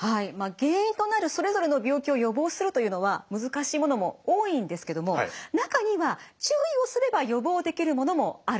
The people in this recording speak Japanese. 原因となるそれぞれの病気を予防するというのは難しいものも多いんですけども中には注意をすれば予防をできるものもあるんです。